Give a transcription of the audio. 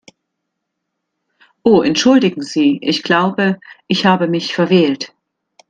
Oh entschuldigen Sie, ich glaube, ich habe mich verwählt.